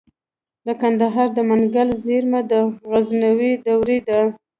د کندهار د منگل زیرمه د غزنوي دورې ده